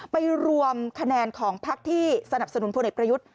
ไปรวมคะแนนของพักที่สนับสนุนพลเอกประยุทธ์